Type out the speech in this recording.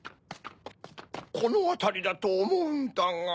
このあたりだとおもうんだが。